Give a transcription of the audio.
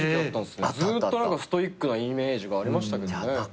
ずっとストイックなイメージがありましたけどね。